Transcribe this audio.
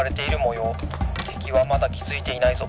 てきはまだきづいていないぞ。